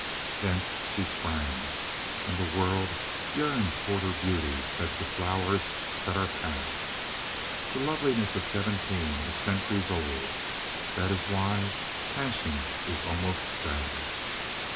Thence she sprang, and the world yearns toward her beauty as to flowers that are past. The loveliness of seventeen is centuries old. That is why passion is almost sad."